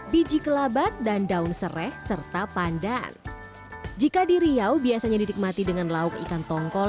biji kelabat dan daun serai serta pandan jika di riau biasanya didikmati dengan lauk ikan tongkol